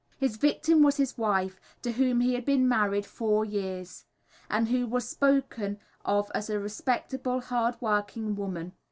His victim was his wife, to whom he had been married four years, and who was spoken of as a respectable, hard working woman.